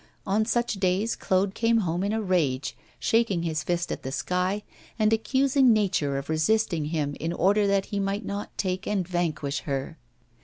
On such days Claude came home in a rage, shaking his fist at the sky and accusing nature of resisting him in order that he might not take and vanquish her.